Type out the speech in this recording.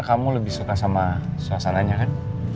kamu lebih suka sama suasananya kan